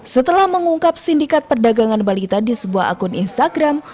setelah mengungkap sindikat perdagangan balita di sebuah akun instagram